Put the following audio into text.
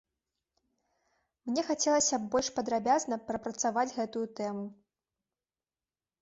Мне хацелася б больш падрабязна прапрацаваць гэтую тэму.